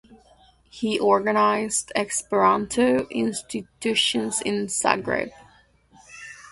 He organized Esperanto institutions in Zagreb.